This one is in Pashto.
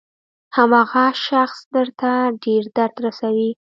هماغه شخص درته ډېر درد رسوي.